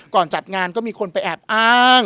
จัดงานก็มีคนไปแอบอ้าง